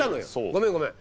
ごめんごめん。